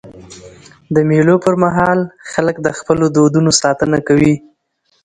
د مېلو پر مهال خلک د خپلو دودونو ساتنه کوي.